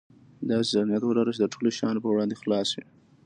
داسې ذهنيت ولره چې د ټولو شیانو په وړاندې خلاص وي.